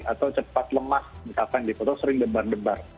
atau cepat lemas misalkan dipotong sering debar debar